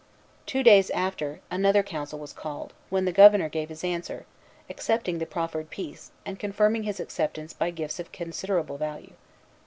Two days after, another council was called, when the Governor gave his answer, accepting the proffered peace, and confirming his acceptance by gifts of considerable value.